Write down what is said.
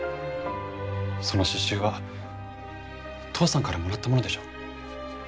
その詩集は父さんからもらったものでしょ？